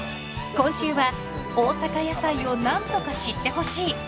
今週は大阪野菜をなんとか知ってほしい食べてほしい！